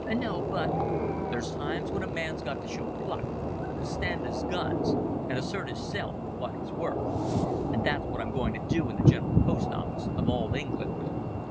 "No, but " "There's times when a man's got to show pluck to stan' to's guns, and assert hisself for what he's worth. And that's what I'm going to do in the General Post Office of all England."